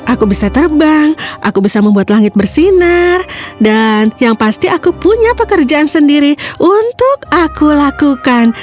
aku bisa terbang aku bisa membuat langit bersinar dan yang pasti aku punya pekerjaan sendiri untuk aku lakukan